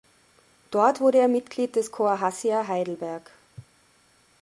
Dort wurde er Mitglied des Corps Hassia Heidelberg.